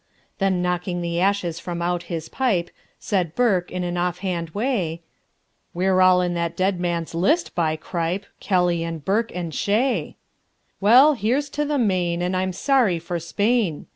Then knocking the ashes from out his pipe, Said Burke, in an off hand way, "We're all in that dead man's list, by Cripe! Kelly and Burke and Shea." "Well, here's to the Maine, and I'm sorry for Spain!"